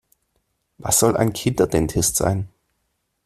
Was soll ein Kinderdentist sein?